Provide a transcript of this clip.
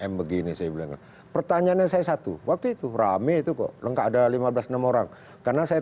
m begini saya bilang pertanyaannya saya satu waktu itu rame itu kok lengkap ada lima belas enam orang karena saya